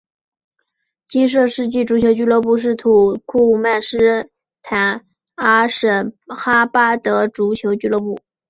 金色世纪足球俱乐部是土库曼斯坦阿什哈巴德足球俱乐部。